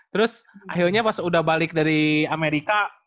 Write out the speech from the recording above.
terus akhirnya pas udah balik dari amerika